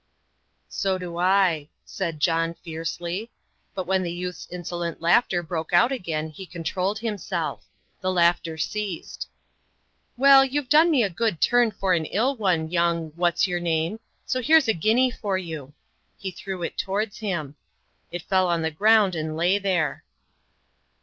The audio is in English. "So do I," said John, fiercely; but when the youth's insolent laughter broke out again he controlled himself. The laughter ceased. "Well, you've done me a good turn for an ill one, young what's your name, so here's a guinea for you." He threw it towards him; it fell on the ground, and lay there.